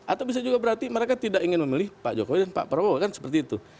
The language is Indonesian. atau bisa juga berarti mereka tidak ingin memilih pak jokowi dan pak prabowo kan seperti itu